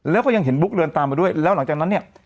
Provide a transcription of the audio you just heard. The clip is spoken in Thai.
แล้วก็ยังเห็นบุ๊กเดินตามมาด้วยแล้วหลังจากนั้นเนี่ย